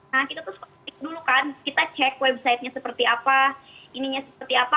nah kita tuh seperti dulu kan kita cek websitenya seperti apa ininya seperti apa